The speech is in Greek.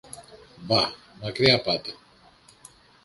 Μπα; Μακριά πάτε.